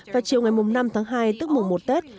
và chiều ngày năm tháng hai tức một tết